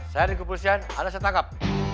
saya deku pusian anda setangkap